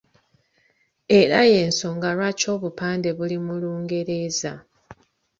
Era y'ensonga lwaki obupande buli mu Lungereza.